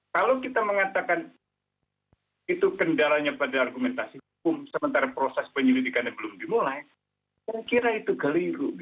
kalau kita mengatakan itu kendalanya pada argumentasi hukum sementara proses penyelidikannya belum dimulai saya kira itu keliru